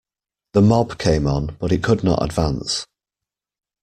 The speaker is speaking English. The mob came on, but it could not advance.